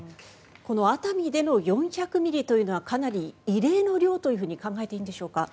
この熱海での４００ミリというのはかなり異例の量と考えていいのでしょうか。